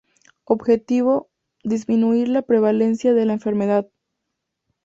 Objetivo: disminuir la prevalencia de la enfermedad.